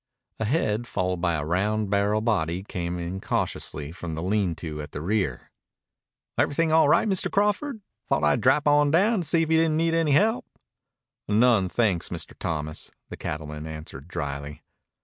A head followed by a round barrel body came in cautiously from the lean to at the rear. "Everything all right, Mr. Crawford? Thought I'd drap on down to see if you didn't need any help." "None, thanks, Mr. Thomas," the cattleman answered dryly.